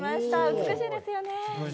美しいですよね。